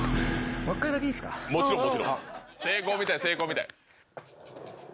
もちろんもちろん成功を見たい成功を見たい。